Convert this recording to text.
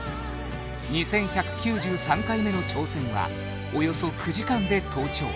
２１９３回目の挑戦はおよそ９時間で登頂